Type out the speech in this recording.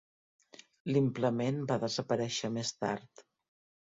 L"implement va desaparèixer més tard.